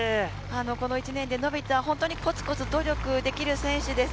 この１年で伸びた、本当にコツコツ努力できる選手です。